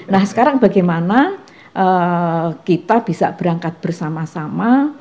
nah sekarang bagaimana kita bisa berangkat bersama sama